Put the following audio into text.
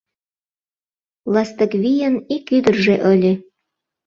Ластыквийын ик ӱдыржӧ ыле.